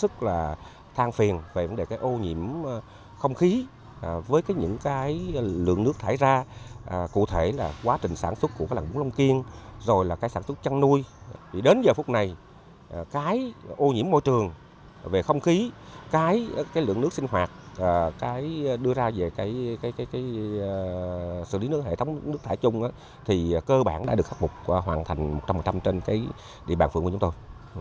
cái lượng nước sinh hoạt đưa ra về sử lý nước hệ thống nước thải chung thì cơ bản đã được khắc phục hoàn thành một trăm linh trên địa bàn phường của chúng tôi